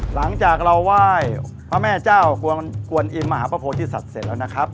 หลังจากเราไหว้พระแม่เจ้ากวนอิมมหาประโพธิสัตว์เสร็จแล้วนะครับ